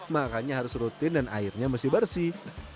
makannya harus rutin dan airnya mesti bersih